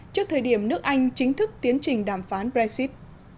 trước thời điểm nước anh chính thức tiến trình đàm phán brexit